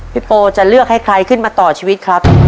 โปจะเลือกให้ใครขึ้นมาต่อชีวิตครับ